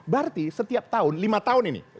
berarti setiap tahun lima tahun ini